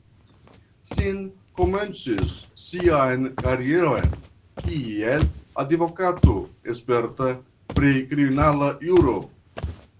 Singh komencis sian karieron kiel advokato sperta pri kriminala juro.